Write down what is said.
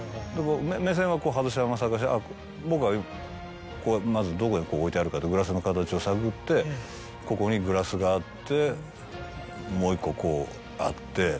目線はこう外したまま探して僕はこうまずどこに置いてあるかとグラスの形を探ってここにグラスがあってもう１個こうあって。